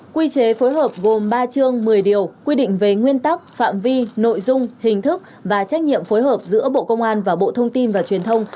quy chế phối hợp gồm ba chương một mươi điều quy định về nguyên tắc phạm vi nội dung hình thức và trách nhiệm phối hợp giữa bộ công an và bộ thông tin và truyền thông